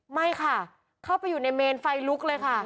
ไม่ค่ะเข้าไปอยู่ในเมนไฟลุกเลยค่ะ